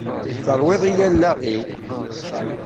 Terwiḍ-iyi allaɣ-iw!